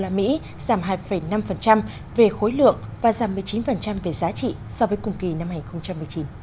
giảm hai năm về khối lượng và giảm một mươi chín về giá trị so với cùng kỳ năm hai nghìn một mươi chín